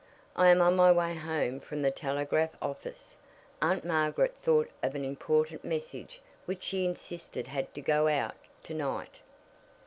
I am on my way home from the telegraph office. Aunt Margaret thought of an important message which she insisted had to go out to night."